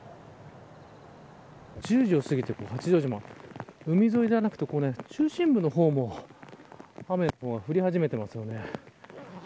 １０時を過ぎて八丈島海沿いじゃなくて、中心部の方も雨が降り始めていますよね。